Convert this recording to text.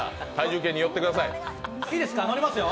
いいですか、のりますよ。